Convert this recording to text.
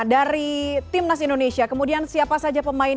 dari timnas indonesia kemudian siapa saja pemain